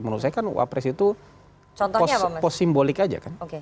menurut saya kan wapres itu pos simbolik aja kan